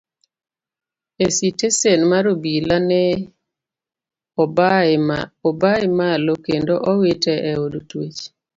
E sitesen mar obila ne obaye malo kendo owite e od twech.